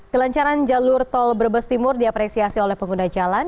kelancaran jalur tol brebes timur diapresiasi oleh pengguna jalan